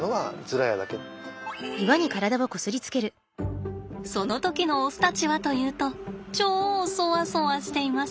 その時のオスたちはというと超そわそわしています。